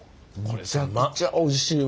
めちゃくちゃおいしいわ。